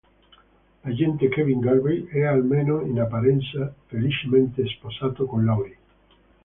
L'agente Kevin Garvey è, almeno in apparenza, felicemente sposato con Laurie.